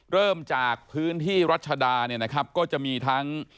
เริ่มจากพื้นที่รัชดาก็จะมีทั้ง